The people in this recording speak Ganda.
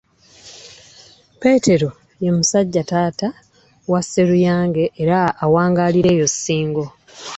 Peetero Mbaziira ye musajja taata wa Sseruyange era awangaalira eyo Ssingo.